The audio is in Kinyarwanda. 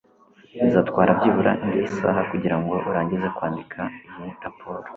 Bizatwara byibura indi saha kugirango urangize kwandika iyi raporo.